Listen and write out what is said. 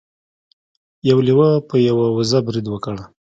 یو لیوه په یوه وزه برید وکړ.